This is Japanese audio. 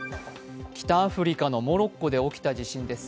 北アフリカのモロッコで起きた地震です。